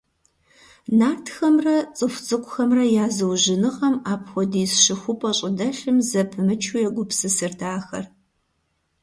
Нартхэмрэ цӀыху цӀыкӀумрэ я зыужьыныгъэм апхуэдиз щыхупӀэ щӀыдэлъым зэпымычу егупсысырт ахэр.